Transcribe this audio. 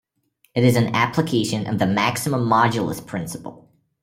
It is an application of the maximum modulus principle.